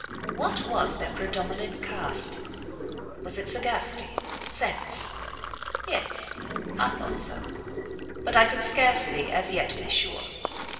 What was their predominant cast? Was it sagacity? sense? Yes, I thought so; but I could scarcely as yet be sure.